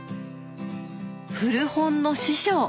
古本の師匠！